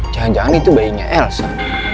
jangan jangan itu bayinya elsa